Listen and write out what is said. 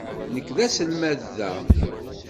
Nekk d aselmad da.